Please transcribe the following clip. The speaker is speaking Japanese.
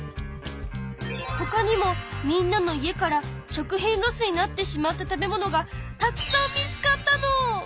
ほかにもみんなの家から食品ロスになってしまった食べ物がたくさん見つかったの！